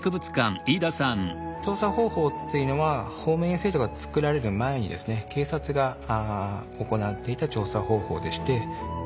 調査方法っていうのは方面委員制度が作られる前にですね警察が行っていた調査方法でして。